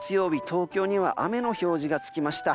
東京には雨の表示がつきました。